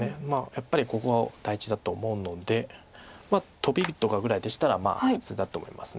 やっぱりここ大事だと思うのでトビとかぐらいでしたらまあ普通だと思います。